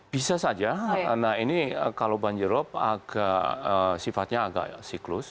bisa saja nah ini kalau banjirop agak sifatnya agak siklus